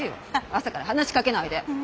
朝から話しかけないで。